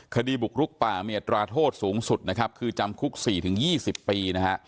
คดีบุกรุกป่ามีอัตราโทษสูงสุดนะครับคือจำคุก๔๒๐ปีนะฮะ